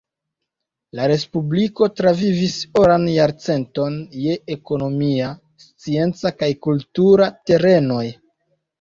La respubliko travivis oran jarcenton je ekonomia, scienca kaj kultura terenoj.